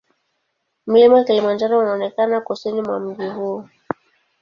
Mlima Kilimanjaro unaonekana kusini mwa mji huu.